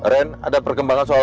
ren ada perkembangan soal andin